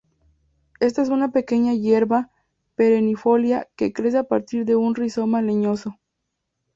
Esta es una pequeña hierba, perennifolia que crece a partir de un rizoma leñoso.